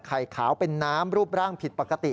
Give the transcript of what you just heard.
ไข่ขาวเป็นน้ำรูปร่างผิดปกติ